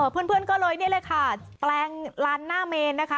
เพื่อนก็เลยนี่เลยค่ะแปลงลานหน้าเมนนะคะ